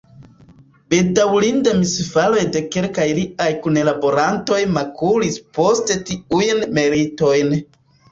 Bedaŭrinde misfaroj de kelkaj liaj kunlaborantoj makulis poste tiujn meritojn.